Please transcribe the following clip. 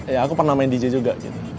iya aku pernah main dj juga